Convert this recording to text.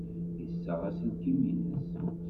Yessaɣ aselkim-nnes.